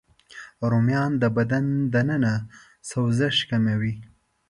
رومیان د بدن دننه سوزش کموي